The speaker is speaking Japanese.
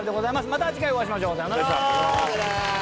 また次回お会いしましょう。さようなら！